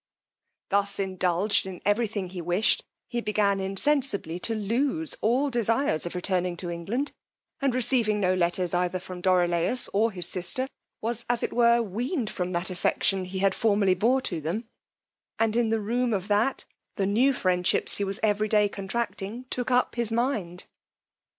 Thus indulged in every thing he wished, he began insensibly to lose all desires of returning to England, and receiving no letters either from Dorilaus or his sister, was as it were weaned from that affection he had formerly bore to them, and in the room of that the new friendships he was every day contracting took up his mind.